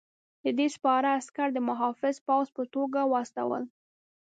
ده سپاره عسکر د محافظ پوځ په توګه واستول.